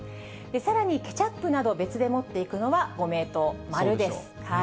さらにケチャップなど別で持っていくのはご名答、〇です。